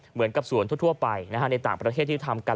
เหมือนกับสวนทั่วไปในต่างประเทศที่ทำกัน